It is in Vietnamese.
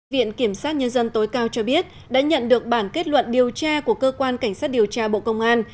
viện kiểm sát nhân dân tối cao cho biết đã nhận được bản kết luận điều tra của cơ quan cảnh sát điều tra bộ công an